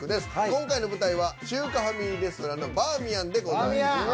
今回の舞台は中華ファミリーレストランの「バーミヤン」でございます。